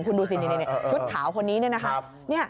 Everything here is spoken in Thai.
คุณดูสิชุดขาวคนนี้นี่นะครับ